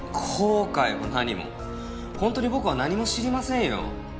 後悔も何も本当に僕は何も知りませんよ。